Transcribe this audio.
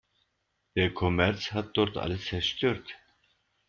Der Kommerz hat dort alles zerstört.